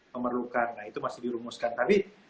memerlukan nah itu masih dirumuskan tapi